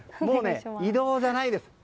移動じゃないです。